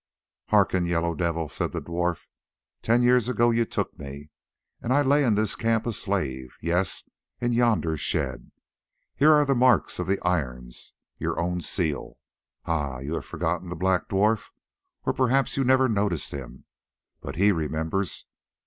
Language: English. "Hearken, Yellow Devil," said the dwarf. "Ten years ago you took me, and I lay in this camp a slave; yes, in yonder shed. Here are the marks of the irons—your own seal. Ah! you have forgotten the black dwarf, or perhaps you never noticed him; but he remembers.